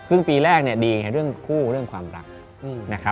ครึ่งปีแรกดีในเรื่องคู่เรื่องความรัก